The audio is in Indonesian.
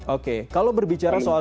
oke kalau berbicara soal